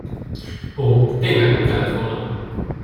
Ó, tényleg nem kellett volna.